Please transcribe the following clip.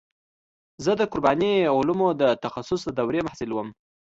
زه د قراني علومو د تخصص د دورې محصل وم.